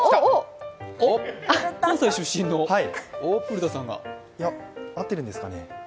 あ、関西出身の古田さんが。合ってるんですかね？